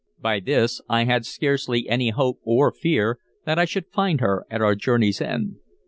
By this I had scarcely any hope or fear that I should find her at our journey's end.